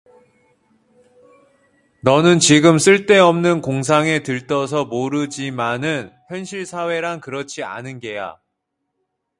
너는 지금 쓸데없는 공상에 들떠서 모르지마는 현실사회란 그렇지 않은 게야.